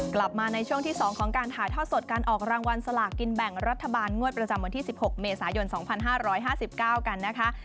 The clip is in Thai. กลับมาในช่วงที่๒ของการถ่ายทอดสดการออกรางวัลสลากกินแบ่งรัฐบาลงวดประจำวันที่๑๖เมษายน๒๕๕๙กันนะคะ